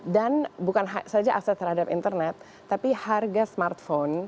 dan bukan saja akses terhadap internet tapi harga smartphone